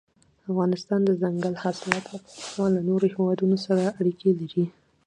افغانستان د دځنګل حاصلات له پلوه له نورو هېوادونو سره اړیکې لري.